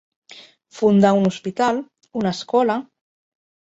Fundar un hospital, una escola.